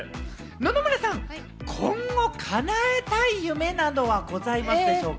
野々村さん、今後叶えたい夢などはございますでしょうか？